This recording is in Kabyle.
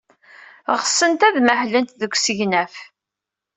Ɣsent ad mahlent deg usegnaf.